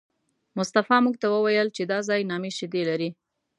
مصطفی موږ ته وویل چې دا ځای نامي شیدې لري.